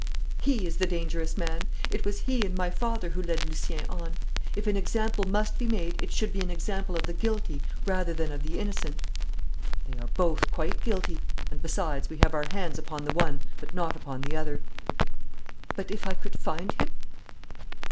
'He is the dangerous man. It was he and my father who led Lucien on. If an example must be made it should be an example of the guilty rather than of the innocent.' 'They are both guilty. And, besides, we have our hands upon the one but not upon the other.' 'But if I could find him?'